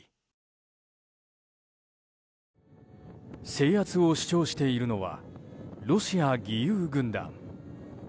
制圧を主張しているのはロシア義勇軍団。